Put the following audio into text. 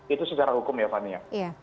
itu secara hukum ya fani ya